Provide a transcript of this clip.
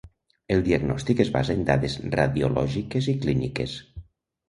El diagnòstic es basa en dades radiològiques i clíniques.